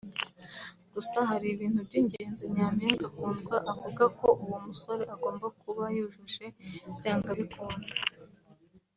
Gusa hari ibintu by’ingenzi Nyampinga Kundwa avuga ko uwo musore agomba kuba yujuje byanga bikunda